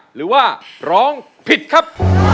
หรือว่าร้องผิดครับ